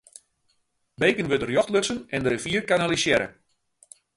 Beken wurde rjocht lutsen en de rivier kanalisearre.